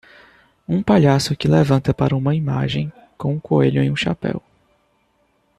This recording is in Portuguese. Um palhaço que levanta para uma imagem com um coelho em um chapéu.